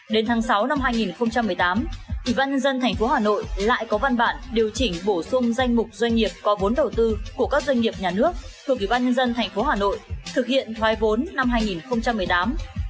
đến tháng sáu năm hai nghìn một mươi tám ủy ban nhân dân tp hà nội lại có văn bản điều chỉnh bổ sung danh mục doanh nghiệp có vốn đầu tư của các doanh nghiệp nhà nước thuộc ủy ban nhân dân tp hà nội thực hiện thoái vốn năm hai nghìn một mươi tám